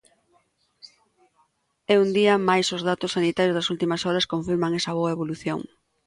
E un día máis os datos sanitarios das últimas horas confirman esa boa evolución.